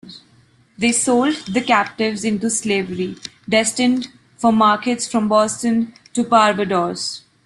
They sold the captives into slavery, destined for markets from Boston to Barbados.